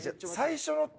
最初の。